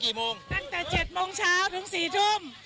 ตั้งแต่๗โมงเช้าถึง๔ทุ่ม